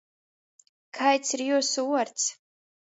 Kaids ir jiusu vuords?